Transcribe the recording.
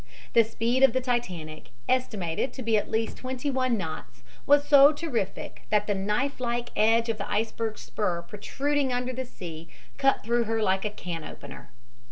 The speed of the Titanic, estimated to be at least twenty one knots, was so terrific that the knife like edge of the iceberg's spur protruding under the sea cut through her like a can opener.